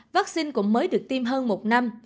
vaccine cũng mới được tim hơn một năm